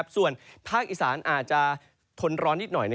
ส่วนภาคอีสานอาจจะทนร้อนนิดหน่อย